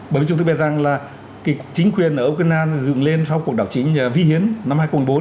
bởi vì chúng tôi biết rằng là chính quyền ở okina dựng lên sau cuộc đảo chính vi hiến năm hai nghìn bốn